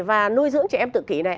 và nuôi dưỡng trẻ em tự kỷ này